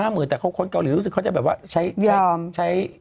หมื่นแต่คนเกาหลีรู้สึกเขาจะแบบว่าใช้